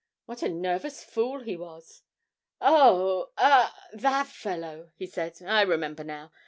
What a nervous fool he was! 'Oh, ah that fellow!' he said; 'I remember now.